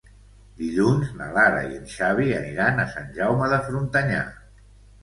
Dilluns na Lara i en Xavi aniran a Sant Jaume de Frontanyà.